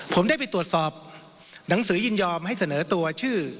ผมได้ไปตรวจสอบหนังสือยินยอมให้เสนอตัวชื่อ